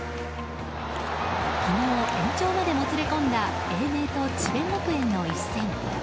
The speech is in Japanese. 昨日、延長までもつれ込んだ英明と智弁学園の一戦。